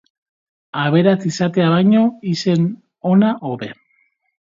Aberats izatea baino, izen ona hobe